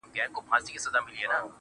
د رڼاگانو شيسمحل کي به دي ياده لرم,